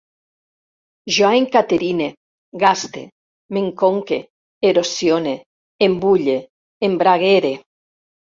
Jo encaterine, gaste, m'enconque, erosione, embulle, embraguere